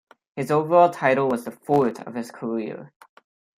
His overall title was the fourth of his career.